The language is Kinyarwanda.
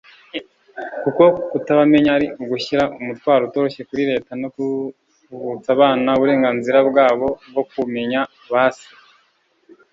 kuko kutabamenya ari ugushyira umutwaro utoroshye kuri Leta no kuvutsa abana uburenganzira bwabo bwo kumenya ba se